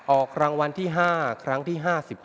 ออกรางวัลที่๕ครั้งที่๕๕